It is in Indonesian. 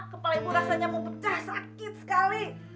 kepala ibu rasanya mau pecah sakit sekali